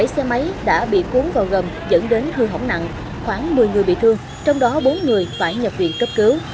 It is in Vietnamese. bảy xe máy đã bị cuốn vào gầm dẫn đến hư hỏng nặng khoảng một mươi người bị thương trong đó bốn người phải nhập viện cấp cứu